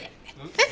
えっ？